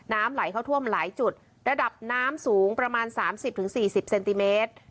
น้ำไหลเข้าท่วมหลายจุดระดับน้ำสูงประมาณสามสิบถึงสี่สิบเซนติเมตร